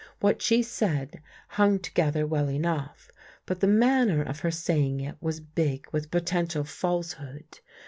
What she said hung together well enough, but the manner of her saying it was big with potential falsehood.